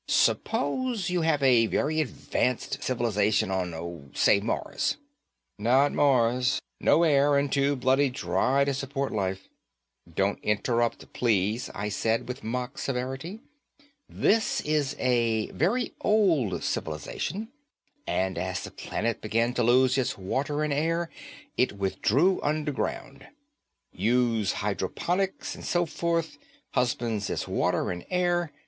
Suppose you have a very advanced civilization on, say, Mars." "Not Mars. No air, and too bloody dry to support life." "Don't interrupt, please," I said with mock severity. "This is a very old civilization and as the planet began to lose its water and air, it withdrew underground. Uses hydroponics and so forth, husbands its water and air.